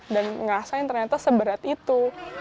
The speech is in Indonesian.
dan ngerasain ternyata seberat itu